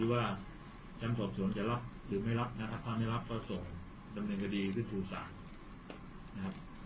ว่าจำสอบส่วนจะรับหรือไม่รับนะครับถ้าไม่รับก็ส่งดำเนกดีที่ภูมิสารนะครับ